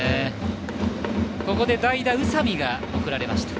ここで代打の宇佐見が送られました。